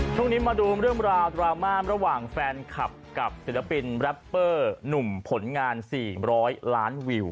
ช่วงนี้มาดูเรื่องราวดราม่าระหว่างแฟนคลับกับศิลปินแรปเปอร์หนุ่มผลงาน๔๐๐ล้านวิว